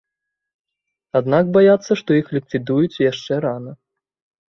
Аднак баяцца, што іх ліквідуюць, яшчэ рана.